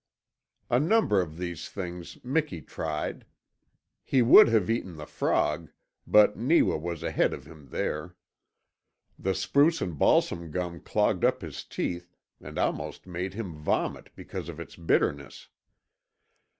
A number of these things Miki tried. He would have eaten the frog, but Neewa was ahead of him there. The spruce and balsam gum clogged up his teeth and almost made him vomit because of its bitterness.